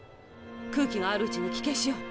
空気があるうちに棄権しよう。